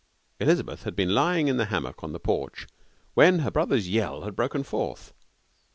Elizabeth had been lying in the hammock on the porch when her brother's yell had broken forth.